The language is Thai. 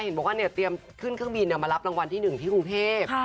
เห็นบอกว่าเตรียมขึ้นเครื่องบินมารับรางวัลที่๑ที่กรุงเทพ